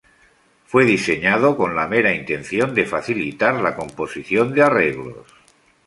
Fue diseñado con la mera intención de facilitar la composición de arreglos.